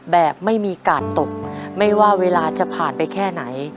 แบบไม่มีกาดตกไม่ว่าเวลาจะผ่านไปแค่ไหน